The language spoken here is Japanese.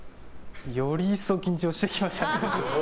より一層緊張してきましたね。